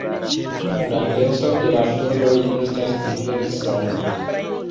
La grandeco de la floroj estas diversaj.